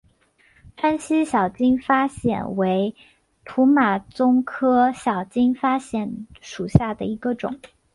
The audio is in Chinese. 川西小金发藓为土马鬃科小金发藓属下的一个种。